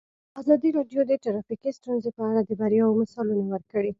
ازادي راډیو د ټرافیکي ستونزې په اړه د بریاوو مثالونه ورکړي.